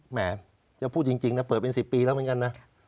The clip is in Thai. แหมจะพูดจริงนะเปิดเป็น๑๐ปีแล้วเหมือนกันนะ